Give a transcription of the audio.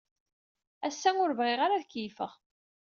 Ass-a, ur bɣiɣ ara ad keyyfeɣ.